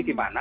jadi di mana